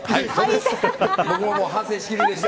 僕も反省しきりでした